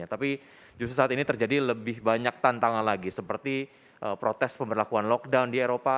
tapi justru saat ini terjadi lebih banyak tantangan lagi seperti protes pemberlakuan lockdown di eropa